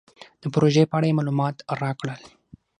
د پروژې په اړه یې مالومات راکړل.